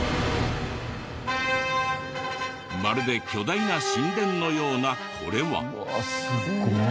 まるで巨大な神殿のようなこれは。